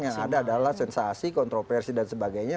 yang ada adalah sensasi kontroversi dan sebagainya